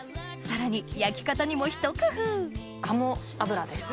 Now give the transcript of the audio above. さらに焼き方にもひと工夫鴨油です。